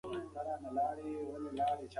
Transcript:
خاکشیر د ګرمۍ لپاره ښه دی.